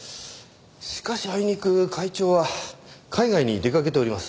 しかしあいにく会長は海外に出かけております。